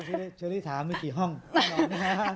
เมื่อกี้คุณเจอรี่ถามมีกี่ห้องนอนนะครับ